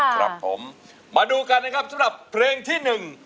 ครับผมมาดูกันนะครับสำหรับเพลงที่หนึ่ง